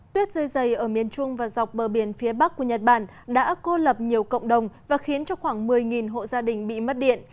tuyết rơi dày ở miền trung và dọc bờ biển phía bắc của nhật bản đã cô lập nhiều cộng đồng và khiến cho khoảng một mươi hộ gia đình bị mất điện